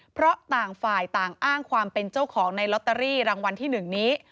เพราะต่างฝ่ายต่างอ้างความเป็นเจ้าของในลอตเตอรี่รางวัลที่๑นี้